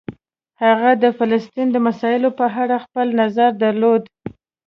هغه د فلسطین د مسایلو په اړه خپل نظر درلود.